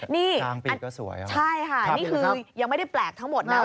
นี่ใช่ค่ะนี่คือยังไม่ได้แปลกทั้งหมดนะ